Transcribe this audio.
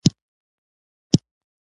که چوخ ځم وايي د ډبرۍ څخه يې کاږي.